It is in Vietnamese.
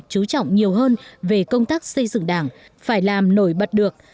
chú trọng nhiều hơn về công tác xây dựng đảng phải làm nổi bật được